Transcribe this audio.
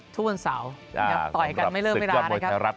โอ้ถู้ว่านสัวต่อยกันไม้เริ่มไม่ระนะครับ